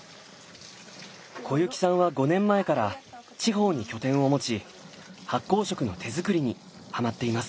小雪さんは５年前から地方に拠点を持ち発酵食の手づくりにハマっています。